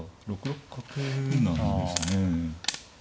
６六角なんですね。